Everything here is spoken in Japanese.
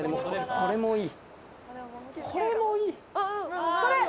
これもいい。